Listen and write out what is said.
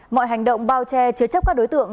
mọi hành động bao che chứa chấp các đối tượng